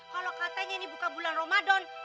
kalau katanya ini buka bulan ramadan